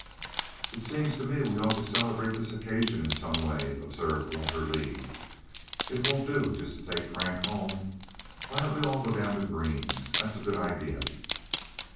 "It seems to me we ought to celebrate this occasion in some way," observed Walter Leigh. "It won't do just to take Frank home. Why don't we all go down to Green's? That's a good idea."